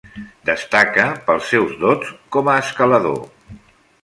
Destaca pels seus dots com a escalador.